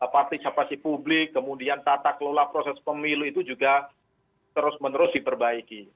partisipasi publik kemudian tata kelola proses pemilu itu juga terus menerus diperbaiki